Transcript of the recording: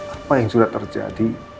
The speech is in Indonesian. apa yang sudah terjadi